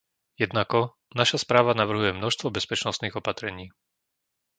Jednako, naša správa navrhuje množstvo bezpečnostných opatrení.